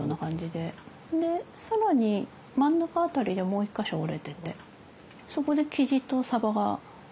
で更に真ん中辺りでもう一か所折れててそこでキジとサバに切り替わるんです。